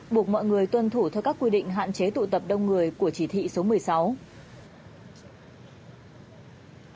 buộc mọi người tuân thủ theo các quy định hạn chế tụ tập đông người của chỉ thị số một mươi sáu